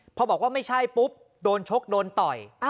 พอบอกว่าไม่ใช่ปุ๊บโดนชกโดนต่อย